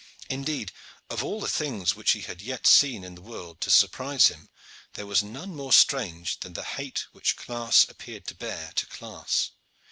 Indeed, of all the things which he had seen yet in the world to surprise him there was none more strange than the hate which class appeared to bear to class.